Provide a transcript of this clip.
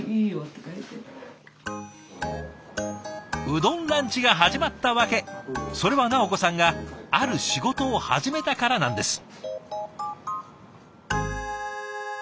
うどんランチが始まった訳それは直子さんがある仕事を始めたからなんです。